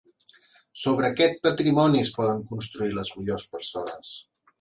Sobre aquest patrimoni es poden construir les millors persones.